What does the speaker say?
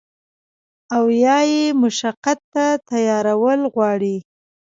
او يا ئې مشقت ته تيارول غواړي